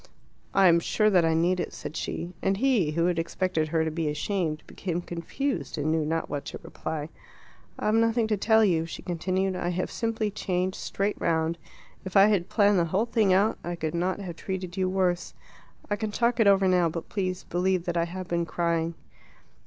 "I am sure that I need it," said she; and he, who had expected her to be ashamed, became confused, and knew not what to reply. "I've nothing to tell you," she continued. "I have simply changed straight round. If I had planned the whole thing out, I could not have treated you worse. I can talk it over now; but please believe that I have been crying."